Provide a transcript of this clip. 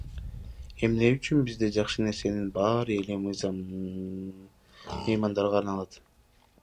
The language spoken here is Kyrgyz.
Эмне үчүн бизде жакшы нерсенин баары эле меймандарга арналат?